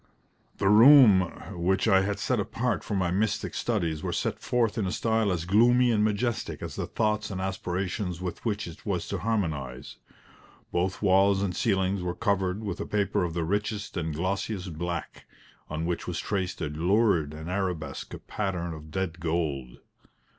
The room which I had set apart for my mystic studies was set forth in a style as gloomy and majestic as the thoughts and aspirations with which it was to harmonise. Both walls and ceilings were covered with a paper of the richest and glossiest black, on which was traced a lurid and arabesque pattern of dead gold.